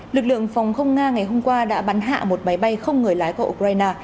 lực lượng phòng không nga ngày hôm qua đã bắn hạ một máy bay không người lái của ukraine